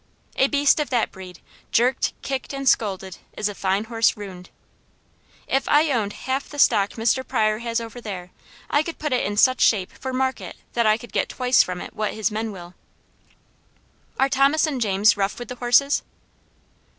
A beast of that breed, jerked, kicked, and scolded is a fine horse ruined. If I owned half the stock Mr. Pryor has over there, I could put it in such shape for market that I could get twice from it what his men will." "Are Thomas and James rough with the horses?"